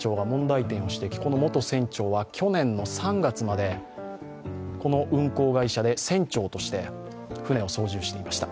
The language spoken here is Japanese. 元船長は去年３月までこの運航会社で船長として船を操縦していました。